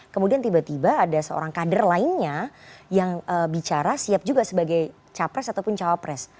kemudian tiba tiba ada seorang kader lainnya yang bicara siap juga sebagai capres ataupun cawapres